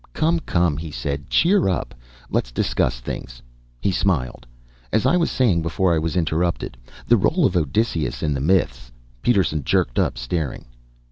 "Come, come," he said. "Cheer up! Let's discuss things." He smiled. "As I was saying before I was interrupted, the role of Odysseus in the myths " Peterson jerked up, staring.